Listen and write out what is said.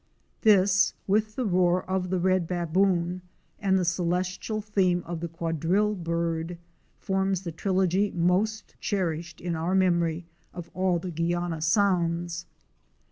'This, with the roar of the red baboon and the celestial theme of the Quadrille Bird, forms the trilogy most cherished in our memory of all the Guiana sounds.